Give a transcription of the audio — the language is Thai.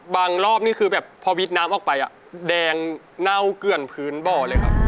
รอบนี่คือแบบพอวิทย์น้ำออกไปแดงเน่าเกลื่อนพื้นบ่อเลยครับ